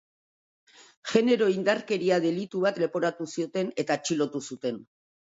Genero indarkeria delitu bat leporatu zioten, eta atxilotu zuten.